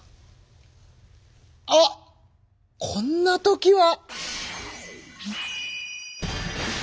あっこんな時は！